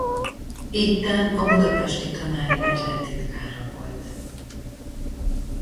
Itten a budapesti tanári egylet titkára volt.